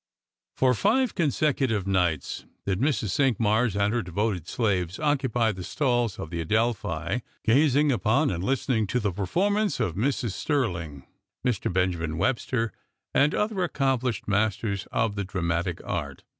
For five consecutive nights did Mrs. Cinqmars and her devoted slaves occupy the stalls of the Adelphi, gazing upon and listening to the performance of Mrs. Stirling, Mr. Benjamin Webster, and other accomplished masters of the dramatic art.